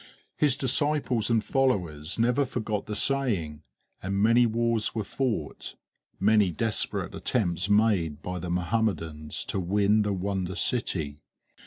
His disciples and followers never forgot the saying, and many wars were fought, many desperate attempts made by the Mohammedans to win the wonder city.